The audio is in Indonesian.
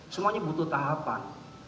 semuanya butuh tahapan